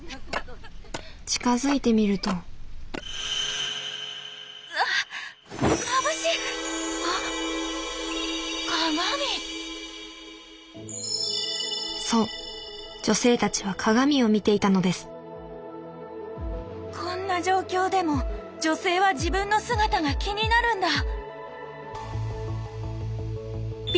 近づいてみるとそう女性たちは鏡を見ていたのですこんな状況でも女性は自分の姿が気になるんだ。